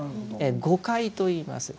「五戒」といいます。